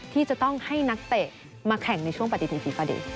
ที่จะต้องให้นักเตะมาแข่งในช่วงประติธิฟาเดย์